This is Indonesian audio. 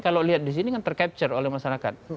kalau lihat disini kan tercapture oleh masyarakat